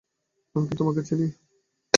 আমি কি তোমাকে চিনি?